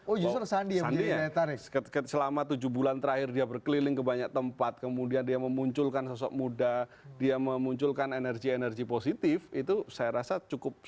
oh justru selama tujuh bulan terakhir dia berkeliling ke banyak tempat kemudian dia memunculkan sosok muda dia memunculkan energi energi positif itu saya rasa cukup tinggi